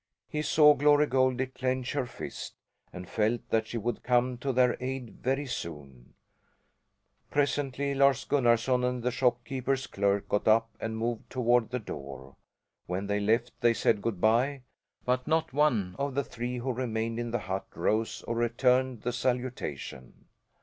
He saw Glory Goldie clench her fist, and felt that she would come to their aid very soon. Presently Lars Gunnarson and the shopkeeper's clerk got up and moved toward the door. When they left they said "good bye," but not one of the three who remained in the hut rose or returned the salutation.